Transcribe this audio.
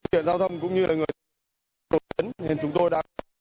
không có gì không